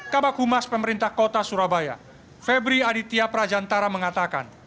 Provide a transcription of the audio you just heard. kabak humas pemerintah kota surabaya febri aditya prajantara mengatakan